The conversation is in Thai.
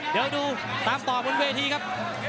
เดี๋ยวดูตามต่อบนเวทีครับ